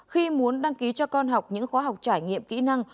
khi muốn đăng ký cho con học những khóa học trải nghiệm kỹ năng